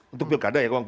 itu pilkada ya